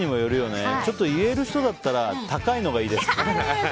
言える人だったら高いのがいいですって。